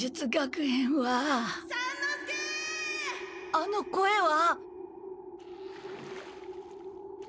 あの声は？